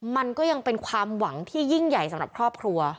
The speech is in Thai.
มันก็ยังเป็นความหวังที่ยิ่งใหญ่สำหรับครอบครัว